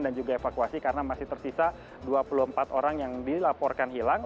dan juga evakuasi karena masih tersisa dua puluh empat orang yang dilaporkan hilang